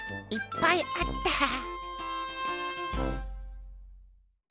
いっぱいあった。